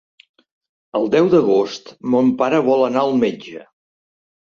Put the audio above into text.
El deu d'agost mon pare vol anar al metge.